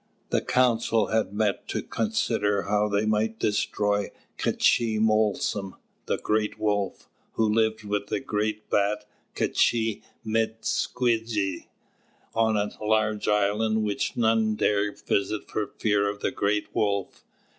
The council had met to consider how they might destroy "K'chī Molsom," the Great Wolf, who lived with the Great Bat, "K'chī Medsk'weges," on a large island which none dared visit for fear of the Great Wolf.